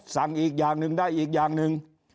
สั่งอีกอย่างหนึ่งได้อีกอย่างหนึ่ง